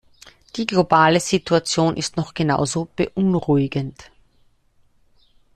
Die globale Situation ist noch genauso beunruhigend.